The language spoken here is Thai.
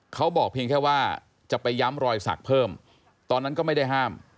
เขาบอกเพียงแค่ว่าจะไปย้ำรอยสักเพิ่มตอนนั้นก็ไม่ได้ห้าม